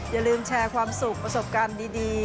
อย่าลืมแชร์ความสุขประสบการณ์ดี